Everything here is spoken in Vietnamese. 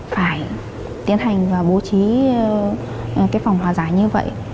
phải tiến hành và bố trí phòng hòa giải như vậy